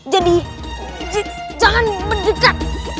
jadi jangan mendekat